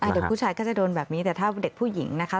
เดี๋ยวผู้ชายก็จะโดนแบบนี้แต่ถ้าเด็กผู้หญิงนะคะ